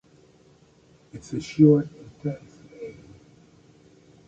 It's a short, intense name.